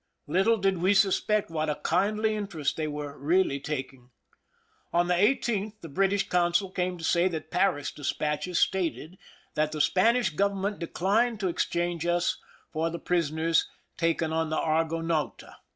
Little did we suspect what a kindly interest they were really taking. On the 18th the British consul came to say that Paris despatches stated that the Spanish government declined to exchange us for the prisoners taken on the Argonauta.